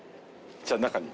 じゃあ中に。